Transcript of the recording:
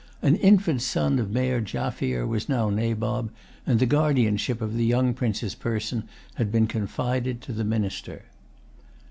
An infant son of Meer Jaffier was now nabob; and the guardianship of the young prince's person had been confided to the minister.